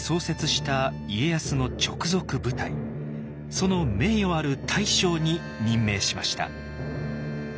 その名誉ある大将に任命しました。